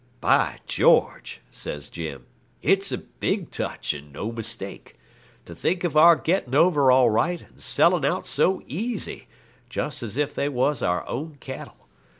'By George!' says Jim, 'it's a big touch, and no mistake. To think of our getting over all right, and selling out so easy, just as if they was our own cattle.